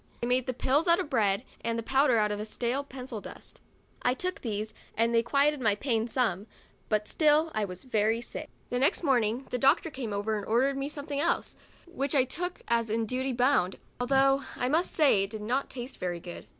They made the pills out of bread and the powder out of slate pencil dust. I took these and they quieted my pain some, but still I was very sick. The next morning the doctor came and ordered me .something else, which I took, as in duty bound, although I must say it did not taste very good.